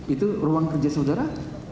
itu ruang kerja saudara